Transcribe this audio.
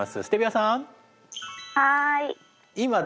はい。